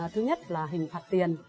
thứ nhất là hình phạt tiền